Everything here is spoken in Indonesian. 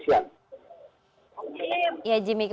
sehingga kami belum bisa